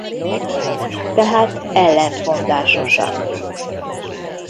Tehát ellentmondásosan.